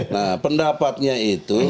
nah pendapatnya itu